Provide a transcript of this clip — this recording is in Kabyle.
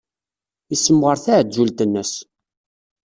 Yessemɣer taɛezzult-nnes.